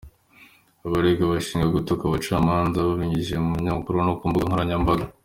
Abaregwa bashinjwa gutuka ubucamanza babinyujije mu binyamakuru no ku mbuga nkoranyambaga .